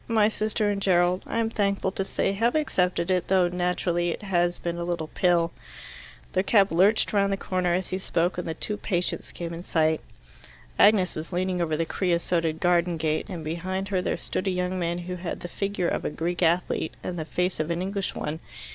My sister and Gerald, I am thankful to say, have accepted it, though naturally it has been a little pill." Their cab lurched round the corner as he spoke, and the two patients came in sight. Agnes was leaning over the creosoted garden gate, and behind her there stood a young man who had the figure of a Greek athlete and the face of an English one.